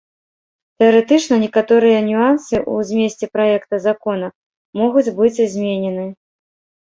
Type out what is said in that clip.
Тэарэтычна некаторыя нюансы ў змесце праекта закона могуць быць зменены.